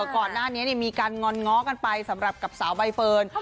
ก่อนหน้านี้มีการงอนง้อกันไปสำหรับกับสาวใบเฟิร์น